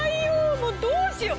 もうどうしよう？